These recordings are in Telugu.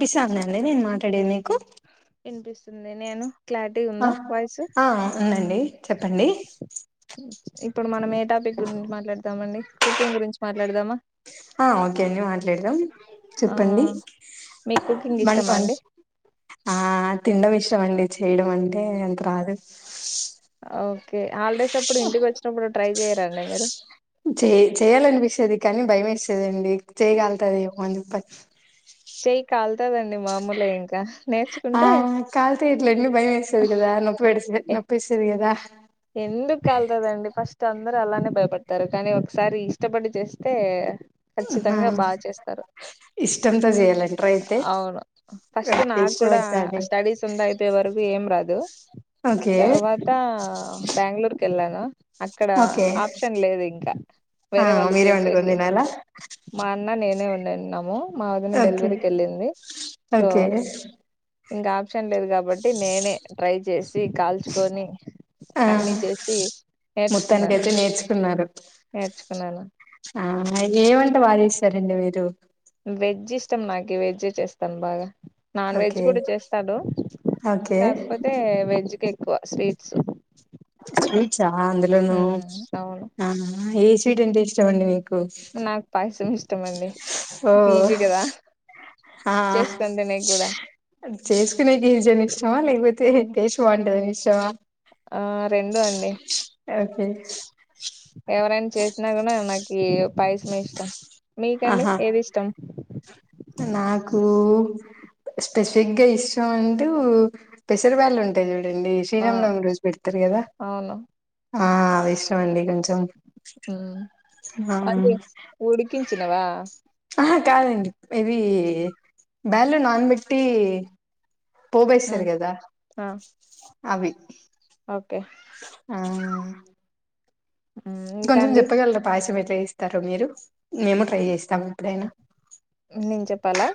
డిసాన్ అన్ననేే నేన్ మాట్ కడే నీకు వినిపిస్తుంది. నేను క్లారిటీగ ఉందా వాయిసు. చెప్పండీ. ఇప్పుడు మనం ఏద్ టాపిక్ గురిండి మాట్లాదామండి. కుకింగ్ గురించి మాట్లాడదామా. ఆ ఓకే అండి మాట్లాడుదాం. ఆ చెప్పండీ. మీకు కుకింగ్ వం ఇష్టమా అండి ఆ తిండం ఇష్టం అండి. చేయడం అంటే అంత రాదు. ఓక్ కే హాలిడేస్ అప్పుడు ఇంటికి వచ్చినప్పుడు ట్రై చేయరా అండి మీరు. చ్చేది కాని భయం ఏస్తదండి చెయ్యి కాలుతదేమో అని చెయ్ కాల్ తదన్ ఆ కాల్తే ఇట్లన్నీ భయం వేస్తది గదా, నొప్పి పెడస్ ఇదె నొప్పేస్తది గదా. ఎందుకు కాలుతదండి ఫస్ట్ అందరూ అలానే భయపడతారు కానీ ఒక్సారి ఇష్టపడి చేస్తే. ఆ ఖచ్చితంగా బాగ చేస్తారు. ఇష్టంతో చేయాలండి ట్రై అయితే అవును ఫస్ట్ నాక్ కూడా ఇష్టపడతాండి స్టడీస్ ఉందయిపోయే వరకు ఏం రాదు. దో ఓకే బ్యాంగ్ళూరుకి. కెళ్ళానా అక్కడా ఓకే ఆప్షన్ లేద్ ఇంకా. ఆ వేరే వాళ్ళు మీరే వండుకొని చేసేకి. తినాలా మా అన్నా నేనే ఉన్నెన్నామూ. ఓకే సో ఓకే ఇంకా ఆప్షన్ లేదు కాబట్టి, నేనే ట్రై చేసి కాల్చుకొని. ఆ అన్ని చేసి నేర్చుకున్నాను మొత్తానికయితే నేర్చుకున్నారు. నేర్చుకున్నాను ఆ ఏవం ట బాగ చేసారండి మీరూ. వెజ్ ఇష్టం నాకి, వెజ్జే చేస్తాన్ బాగా. నాన్ వెజ్ ఓకే కూడా చేస్తాడు ఓకే కాకపోతే వెజ్ కే స్వీట్సు స్వీట్స్ ఆ అందులోను అవును ఆ స్వీట్ అంటే ఇష్టంమండి మీకు నాకు పాయసం ఇష్ ఇష్టమండి ఓ ఈజీ కదా ఆ చేసుకొని తినేకి కూడా చేసుకునేకి ఈజి అని ఇష్టమా లేకపోతే టేస్ట్ బాగుంటదని ఇష్ టం ఆ రెండూ అండి ఓకే ఎవరైనా చేసినా కూడా నాకి పాయసమే ఇష్టం మీకండి ఆహా ఏది ఇష్టం కు స్పెసిఫిక్ గా ఇష్టం అంటూ పెసర్ బ్యాల్ ఉంటాయి చూ డండి ఆ శ్రీరాంనవమి రోజు పెడతరు కదా అవును ఆ అది ఇష్టంమండి కొం మ్మ్ అది ఆ ఉడికించి గదా ఆహ కాదండి ఇది బ్యాల్లు నానబెట్టి పోబుయేస్సరు ఉమ్ కదా ఆ అవి ఓకే ఆ ఉమ్ ఇంకా గొంజెం అండి జెప్పగల్రా పాయసమెట్ టేస్తారు మీరు మేము ట్రై చేస్తాము ఎప్పుడైనా నేన్ చెప్పాలా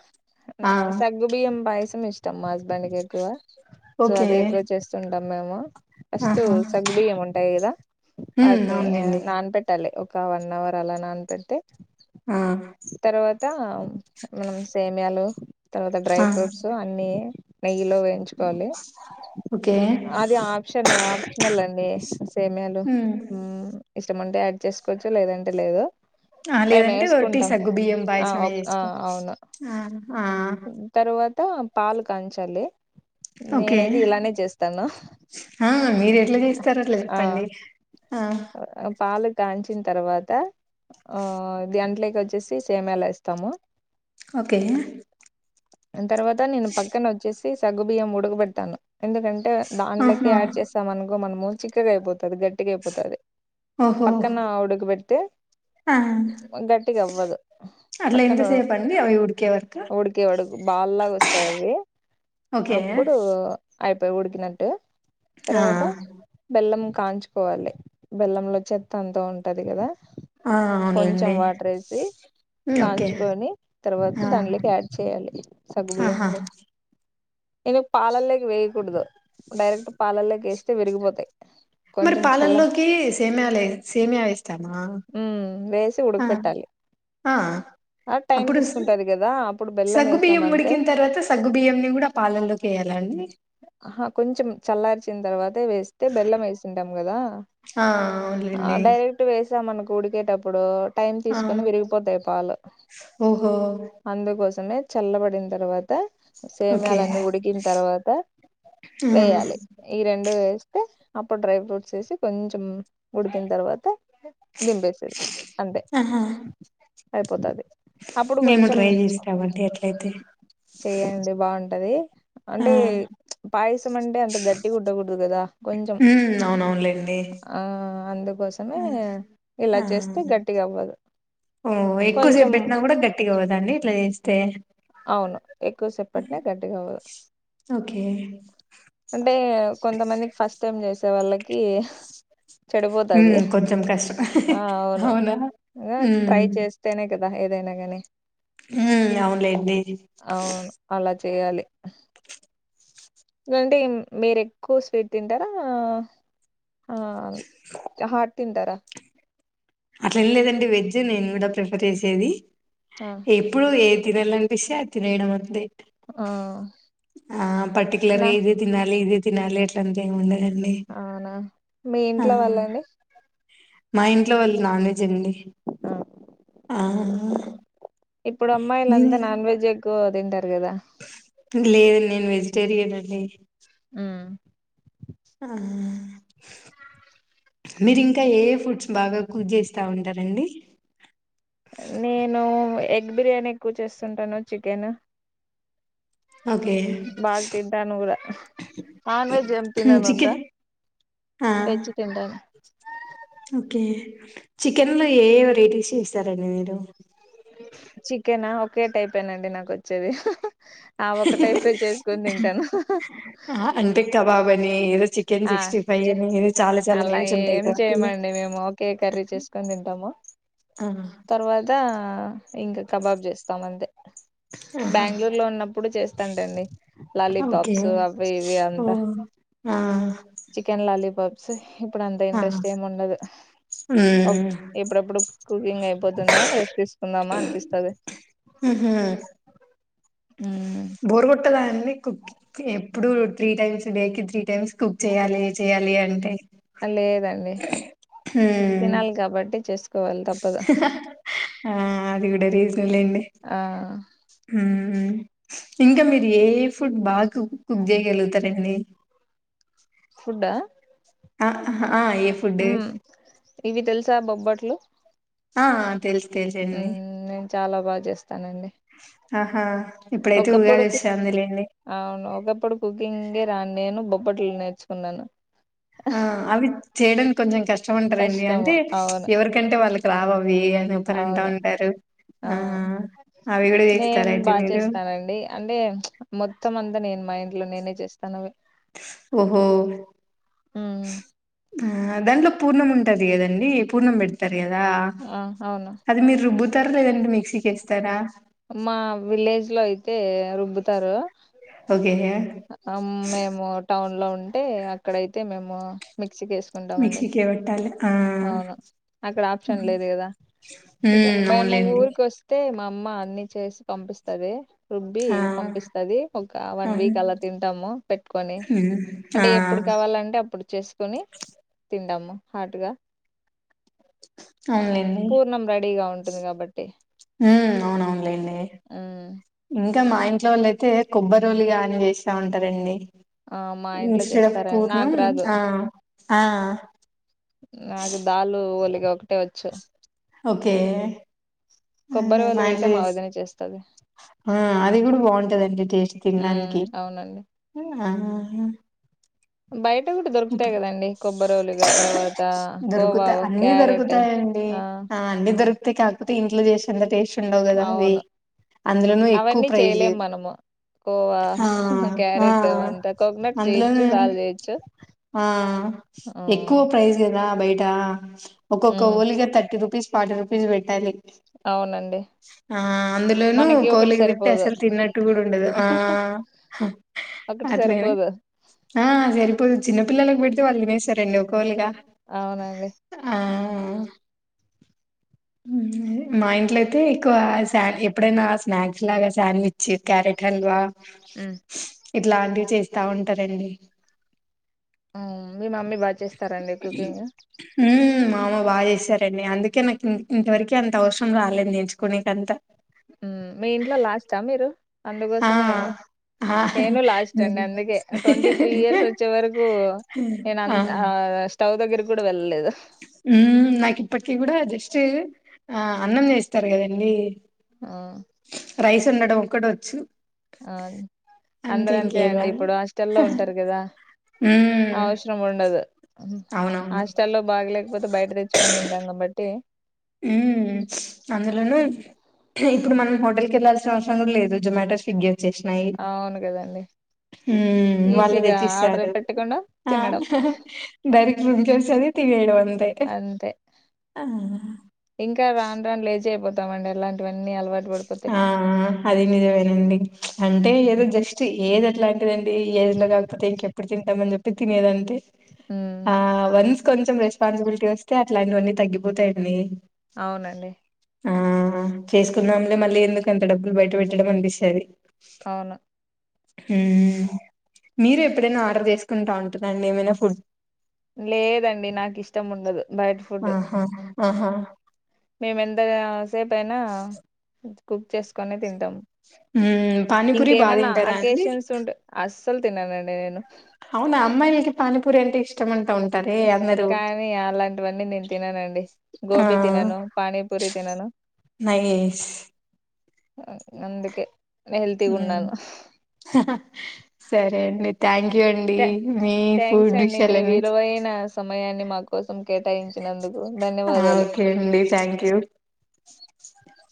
మ్ ఆ సగ్గు బియ్యం పాయసం ఇష్ట్ ట్టమాస్ దానికేక్కువ సో ఓకే అదే ఎక్కువ చేస్తున్ తన్నేమో ఫస్టు ఆహా సగ్ బియ్యం ఉంటాయ్ కదా ఉమ్ వాటిని అవునులేండి నాన్ పెట్టాలి. ఒక వన్ అవర్ అలా నాన్పెడితే ఆ టాం మనం సేమ్యాలు తర్వాత డ్రై ఆ ఫ్రూట్సు అన్ని నెయ్యిలో వేయించుకోవాలి ఓకే అది ఆప్షన్ ఆప్షనల్ అండి సేమ్యాలు ఉమ్ ఊ ఇష్టముంటే యాడ్ చేసుకోవచ్చు లేదంటే లేదు ఆ మేము లేదంటే వొట్టి వేసుకుంటాం సగ్గు బియ్యం బాయ్ ఆ ఒక్ ఆ ఆ అ తరువాత పాలు కాంచాలి ఓకే నేనైతే ఇలానే చేస్తాను ఆ మీరు ఎట్లా చేస్తారు అట్లా ఆ చెప్పండి ఆ పాలు కాంచిన తర్వాత ఆ దాంట్లోకి విచ్చేసి సేమ్యాలు వేస్తాము ఒకే దాని తర్వాత నేను పక్కన వచ్చేసి సగ్గుబియ్యం ఉడకబెట్టాను ఎందుకంటే దాంట్లోకి ఆహా యాడ్ చేస్తాం అనుకో మనము చిక్కగా అయిపోతది గట్టిగా అయిపోతది ఓహో పక్కన ఉడుకబెడితే ఆ గట్టిగా అవ్వదు అట్లా పక్కన ఎంతసేపు అండి అవి ఉడికే వరకు ఉడికేవరకు బాల్లాగా వస్తాయి అవి ఓకే అప్పుడు అయిపోయి ఉడికినట్టు ఆ తర్వాత బెల్లం కాంచుకోవాలి బెల్లంలో చెత్త అంత ఉంటుంది కదా ఆ కొంచెం అవునులేండి వాటర్ వేసి ఓకే కాంచుకొని ఆ తర్వాత దాంట్లోకి యాడ్ చేయాలి ఆహా సగుబియ్యంలో నేను పాలల్లోకి వేయకూడదు డైరెక్ట్ పాలల్లోకి వేస్తే విరిగిపోతాయి మరి కొంచెం చల్ల పాలల్లోకి సేమ్యాల్ సేమియా ఎస్తామా. ఉమ్ వేసి ఆ ఉడకబెట్టాలి ఆ ఆ టైం అప్పుడు తీసుకుంటది కదా అప్పుడు బెల్లం సగ్గు బియ్యం వేసామంటే ఉడికిన తర్వాత సగ్గు బియ్యం ని కూడా పాలలోకి ఎయాలండి. వచ్చిన తర్వాత. వేస్తే బెల్లం వేసుకుంటాం కదా ఆ అ అవునులేండి డైరెక్ట్ వేస్ ఇక మనకు ఉడికేటప్పుడు. టైమ్ ఆ తీసుకొని విరిగిపోతాయి పాలు ఓహో అందుకోసమే. చల్లబడిన తర్వాత. తర్వాత ఓకే సేమ్యాలు అన్ని ఉడికిన తర్వాత ఆ వేయాలి ఈ రెండు వేస్తే తర్వాత అప్పుడు డ్రై ఫ్రూట్స్ వేసి కొంచెం ఉడికిన తర్వాత దింపేసేది అంతే. ఆహా అయిపోతది. అప్పుడు మేము కొంచెం ట్రై చేస్తామండి అట్లయితే చెయండి బాగుంటది ఆ అంటే పాయసం అంటే అంత గట్టి గుట్టకూడదు కదా కొంచెం ఉమ్ అవునవునులేండి ఆ. అందు కోసమే ఆ ఆ ఓ కొంచెం ఎక్కువసేపు పెట్టినా కూడా. [inaudible] అవును ఎక్కువసేపటినే గట్టిగా అవ్వదు ఓకే అంటే కొంతమందికి కి చెడిపోతాది ఉమ్ కొంచెం కష్టం ఆ అవును అవునా ఇ ట్రై ఉమ్ చేస్తేనే క. ఏదైనాగానీ ఉమ్ అవును లేంది తేయాలి అంటే మీరు ఎక్కువ స్వీట్ తింటారా ఆహ్ ఆ హాట్ తింటారా అట్లేం లేదండి వెజ్ నేను కూడా ప్రిఫర్ చేసేది. ఆ ఎప్పుడు ఏద్ ఏది తినాలనిపిస్తే అది తెనేయడం అంతే ఆ ఆ నా పర్టిక్యులర్గా ఇది తినాలి ఇద్ తినాలే అట్ల అంతా ఏమి ఉండదు అవునా మీ ఇంట్లో వాళ్ళండి మైండ్ వాళ్ళు నాన్ వెజ్ అండి ఆహ్ ఇప్పుడు అమ్మాయిల అంతా నాన్ వెజ్ ఎక్కువ తింటారు కదా లేదు నేను వెజ్ తెరినండి ఆ ఆ మీరు ఇంకా ఏ ఫుడ్స్ బాగా కుక్ చేస్తా ఉంటారంండి నేను ఎగ్ బిర్యానీ ఎక్కువ చేస్తుంటాను చికెన్ ఓకే బాగా తింటాను ఊర నాన్ వెజ్ ఎం తిన్నాను అంత చికెన్ ఆ వెజ్ తింటాను ఓకే చికెన్ లో ఏ వెరైటీస్ చేస్తారండి మీరు చికెనా ఒకే టైప్ేనాండి నాకు వచ్చేది ఆ ఒక టైపే చేసుకుొని తింటాను ఏదాస్ ఆ చే అలాగ నేమ్స్ ఉంటాయి ఏం కదా వాటిల్లో చేయమండి మేము ఒకే కర్రీ చేసుకొని తింటాము ఆ! తర్వాత ఇంకా కబాబ్ చేస్తాం అంతే ఆహా బెంగళూరులో ఉన్నప్పుడు చేస్తాంటండి ఓకే లాలీపాప్స్ అవి ఇవి ఓ అంతా ఆ చికెన్ లాలీపాప్ సహి ఇప్పుడు అంత ఆ ఇంట్రెస్ట్ ఏం ఉండదు మ్మ్ ఏప్పుడప్పుడు కుకింగ్ అ పోతుంద రేపు తీసుకుందామా అనిపిస్తది ఊహూ ఉమ్ బోర్ కొంటదా అండి కుక్ కి ఎప్పుడు త్రీ టైమ్స్ డేకి త్రీ టైమ్స్ కుక్ చేయాలి చేయాలి అంటే ఆ లేదండి మ్మ్ తినాలి కాబట్టి చేసుకో వాలి తప్పదు ఆ అది కూడ రీసన్ లెండి ఆ ఉ ఉ ఇంకా మీరు ఏ ఏ ఫుడ్ బాగా కుక్ కుక్ చేయగలుగుతారండి ఫుడ్ డా ఆహా ఆ ఏ ఫుడ్ ఇవి తెలుసా బొబ్బట్లు ఆ తెలుసు తెలుసండి ఉనే చాలా బాగా చేస్తానండి ఆహా ఇప్పుడైతే ఒకప్పుడు ఉగాది కు వస్తాందిలేండి అవును ఒకప్పుడు కుకింగ్ ఏ రాని నేను బ బొబ్బట్లు నేర్చుకున్నాను ఆ అవి చేయడం కొంచెం కష్టం అంటారండి కష్టము అంటే అవును ఎవరికంటే వాళ్ళకి రావు అవ్వి అని ఒకరు అంటా అవును ఉంటారు ఆ అ అవి కూడా చేస్తారు నేను అయితే బాగా మీరు చేస్తానండి లో నేనే చేస్తాను ఓహో ఉమ్, ఆ దాంట్లో పూర్ణం ఉంటంది కదండి పూర్ణం పెడతారు కదా ఆ అవును అది మీరు రుబ్బుతారు లేదండి మిక్సీకి వేస్త తర మా విలేజ్ లో ఇయి అయితే రుబ్బుతారు ఓకే మేము టౌన్ లో ఉ అంటే అక్కడయితే మేము మిక్స్ వేసుసుకుంటామండి మిక్సీకే పెట్టాలి ఆ అవును అక్కడ ఆప్షన్ ఉమ్ లేదు కదా ఇగ మేము అవునులేండి ఊరికి వస్తే మా మా అన్ని చేసి పంపిస్తది రుబ్బి ఆ పంపిస్తది ఒక వన్ అవును వీక్ అలా తింటాము పెట్టుకొని ఉమ్ ఆ అంటే ఎప్పుడు కావాలంటే అప్పుడు చేసుకొని తింటాము హార్ట్ గా అవునులెండి రెడీగా ఉంటుంది కాబట్టి ఉ అవునవును ఏ లే ఉమ్, ఉ ఇంకా మా ఇంట్లో వాళ్లయితే కొబ్బరిరోలు గాని వేస్తా ఉంటారండి ఆ మా ఇంట్లో ఇన్స్టెడ్ ఆఫ్ చేస్తారని పూర్ణం నాకు రాదు ఆ ఆ నాకు దలు ఒలిగ ఒకటే వచ్చు ఒకే అదే కొబ్బరి మా ఒలిగ అయితే ఇండ్ వదిన చేస్తది ఆ అది కూడా బాగుంటదండి టేస్ట్ ఉమ్ తినడానికి అవునండి ఆ హ బయట కూడా దొరుకుతాయి కదండి కొబ్బరోలుగా తర్వాత దొరుకుతా కోవావ అన్ని క్యారెట్ ఆ అతే కాకపోతే ఇంట్లో చేసేఅంత టేస్ట్ ఉండవు కదా అవి అవును అందులోనూ ఎక్కువ అవన్నీ ప్రైజ్ చేయలేము మనము కోవా ఆ ఆ క్యారెట్ అంతా కోకనట్ చేయచ్చు అందులోనే దాల్ చేయొచ్చు ఆ ఎక్కువ ఉమ్ ప్రైజ్ బయటా ఒక్కొక్క ఉమ్, ఓలిగా థర్టీ రూపీస్ ఫార్టీ రూపీస్ పెట్టండి అవునండి ఆ అందులోనూ మనకి ఒకటి కోలికి త్తితే సరిపోదు అసలు తిన్నట్టు గూడా ఉండదు ఆ ఒకటి అట్లనే సరిపోదు ఆ సరి ఉ చిన్న పిల్లలకు వెడితే వాళే వేస్ తరెండి కోలగా అవునండి ఆ ఆ మా ఇంట్లో అయితే ఎక్కువ సాను ఎప్పుడైనా స్నాక్స్ లాగా శాండ్విచ్ క్యారెట్ హల్వా మ్మ్ ఇట్లాంటివి చేసి తా ఉంటారండి ఆ మీ మమ్మీ బగా చేస్తారండి కుకింగ్ మామ బాగా చేశారండి అందుకే నాకు ఇం ఇంతవరకే అంత అవసరం రాలేదు ఎంచుకోనేకంత ఉ మీ ఇంట్లో లాస్ట్ ఆ మీరు ఆ అందుకోసమే ఆ నేను లాస్ట్ అండి నేను అందుకే ట్వంటీ త్రీ ఇయర్స్ వచ్చే వరకు నేను అంతు ఆ స్టవ్ దగ్గర కూడా వెళ్ళలేదు హుమ్ నాకు ఇప్పటికి గూడ జస్ట్ ఆ అన్నం చేస్తారు కదండీ ఆ రైస్ వండడం ఒక్కటి వచ్చు అ అందరు అంతే ఇంకేం అండి రాదు ఇప్పుడు హాస్టల్ల్లో ఉంటారు గదా ఉమ్, అవసరం ఉండదు అవునవును హాస్టల్లో బాలేగు పోతే బయట తెచ్చుకొని తింటాం కాబట్టి ఉ అందులోను ఇప్పుడు మనం హోటల్కి వెళ్ళల్సిన అవసరం కూడా లేదు జొమాటో స్విగ్గీఏ చేసినయి అవును కదండి హు వాళ్లు ఈజీగా ఆర్డర్ తెచ్చిస్తారు పెట్టకుండా ఆ తినడం హహ డైరెక్ట్ రూమ్కేవస్తది తియాడవదు అంతేగా అంతే ఆ ఇంకా రాను రాను లేచ్ అయ్యిపోతామండి ఎలాంటివ ఆ అది నిజమేనండి అంటే ఏదో జస్ట్ ఏద్ అది లైన్ ఇదండి ఈ ఏజ్ లో కాకపోతే ఇంకెప్పుడు తింటాం మని చెప్పి ప్రతినీదంటే ఉమ్ ఆ వన్స్ కొంచెం రెస్పాన్సిబులిటీ వస్తే అట్లాంటివన్నీ తగ్గిపోతాయండి అవునండి ఆ చేసుకో కున్నాములే మళ్ళీ ఎందుకు అంత డబ్బులు బయట పెట్టడం అనిపిస్తది అవును హుమ్ మీరు ఎప్పుడైనా ఆర్డర్ చేసుకుంటా ఉంటుందండి ఏమైనా ఫుడ్ లేదండి నాకు ఇష్టం ఉండదు బయిట్ ఫుడ్ ఆహా ఆహా మేము ఎంత సేపు అయినా హ్న హ్నా కుక్ చేసుకుని తింటాం ఊః పానీపూరి బాగా తింటారా అండి అకేషన్స్ ఉంటే అస్సలు తిననండి నేను అవునా అమ్మాయిలకి పానిపూరి అంటే ఇష్టం అండి కానీ అలాంటివన్నీ నేను తిననండి ఆ గోబీ తినను పానీపూరి తినను నైస్ ఆ సరే అండి థ్యాంక్ య థ్యాంక్స్ అండి మీ విషయాలన్నీ విలువైన సమయాన్ని మా కోసం కేటాయించినందుకు ఆ ధన్యవాదాలు ఓకే అండి థ్యాంక్ యూ [unintelligible]